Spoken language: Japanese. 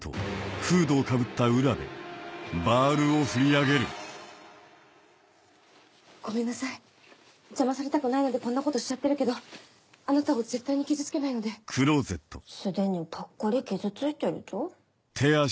足音ごめんなさい邪魔されたくないのでこんなことしちゃってるけどあなたを絶対に傷つけないので既にパックリ傷ついてるじょ